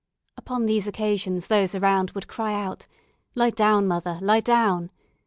Upon these occasions those around would cry out, "Lie down, mother, lie down!"